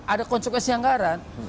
ada konsekuensi anggaran